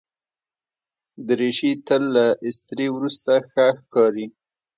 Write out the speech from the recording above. دریشي تل له استري وروسته ښه ښکاري.